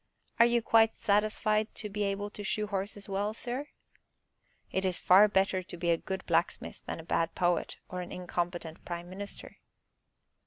"Are you quite satisfied to be able to shoe horses well, sir?" "It is far better to be a good blacksmith than a bad poet or an incompetent prime minister."